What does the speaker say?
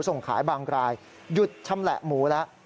ส่งขายบางรายหยุดชำแหละหมูแล้ว